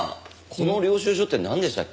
この領収書ってなんでしたっけ？